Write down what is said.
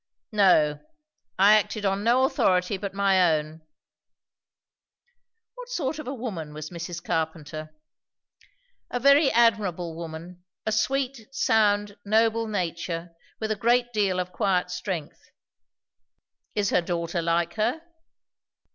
"No. I acted on no authority but my own." "What sort of a woman was Mrs. Carpenter?" "A very admirable woman. A sweet, sound, noble nature, with a great deal of quiet strength." "Is her daughter like her?"